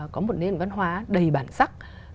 có một nền văn hóa đầy bản sắc